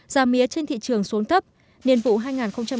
gia mía trên thị trường xuống thấp